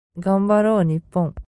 頑張ろう日本